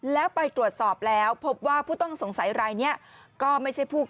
และตัวตรวจสอบแล้วพบว่าผู้ต้องสงสัยในนี้ก็ไม่ใช่ผู้ก่อเหตุ